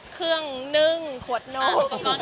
เครื่องนึ่งขวดนม